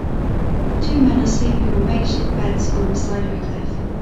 Two men are sleeping on makeshift beds on the side of a cliff.